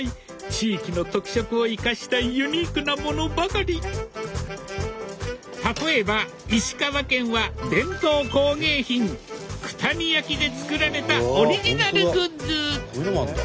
地域の特色を生かしたユニークなものばかり例えば石川県は伝統工芸品九谷焼で作られたオリジナルグッズ